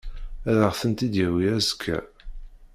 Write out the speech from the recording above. Ad aɣ-ten-id-yawi azekka.